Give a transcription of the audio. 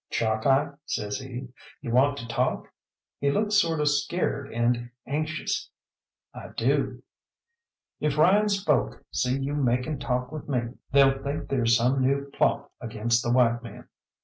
"Chalkeye," says he, "you want a talk?" He looked sort of scared and anxious. "I do." "If Ryan's folk see you making talk with me, they'll think there's some new plot against the white men.